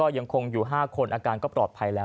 ยังคงอยู่๕คนอาการก็ปลอดภัยแล้ว